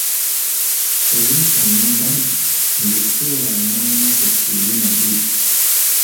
Oluusi ng'agamba nti, "nze ssoola ngaanga kwe ssiirye magi."